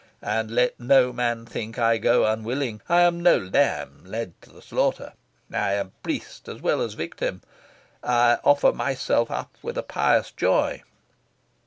And let no man think I go unwilling. I am no lamb led to the slaughter. I am priest as well as victim. I offer myself up with a pious joy.